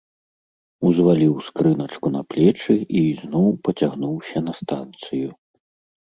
Узваліў скрыначку на плечы і ізноў пацягнуўся на станцыю.